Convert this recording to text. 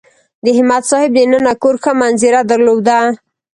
د همت صاحب دننه کور ښه منظره درلوده.